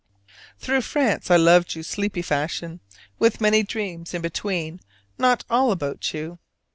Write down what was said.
Through France I loved you sleepy fashion, with many dreams in between not all about you.